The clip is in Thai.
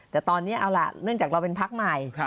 แต่ตอนนี้เอาล่ะเนื่องจากเราเป็นพักใหม่